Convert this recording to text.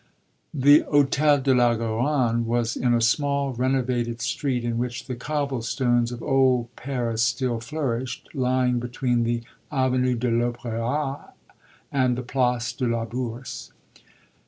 The Hôtel de la Garonne was in a small unrenovated street in which the cobble stones of old Paris still flourished, lying between the Avenue de l'Opéra and the Place de la Bourse.